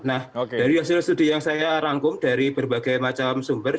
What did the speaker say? nah dari hasil studi yang saya rangkum dari berbagai macam sumber